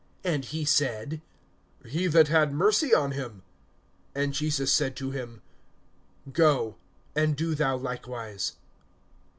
(37)And he said: He that had mercy on him. And Jesus said to him: Go, and do thou likewise.